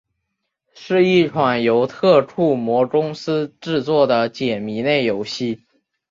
是一款由特库摩公司制作的解谜类游戏。